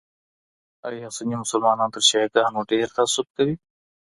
آیا سني مسلمانان تر شیعه ګانو ډېر تعصب کوي؟